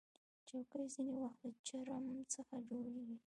چوکۍ ځینې وخت له چرم څخه جوړیږي.